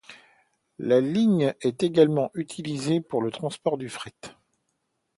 La ligne est également utilisée pour le transport de fret.